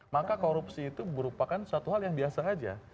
maka korupsi itu merupakan suatu hal yang biasa saja